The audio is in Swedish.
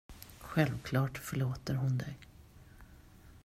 Självklart förlåter hon dig.